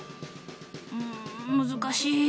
うん難しい。